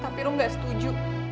tapi rum gak setuju